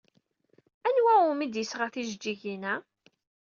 Anwa umi d-yesɣa tijeǧǧigin-a?